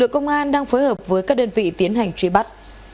các đơn vị tiến hành truy bắt